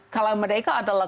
kalau mereka adalah